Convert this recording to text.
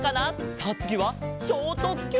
さあつぎはちょうとっきゅう！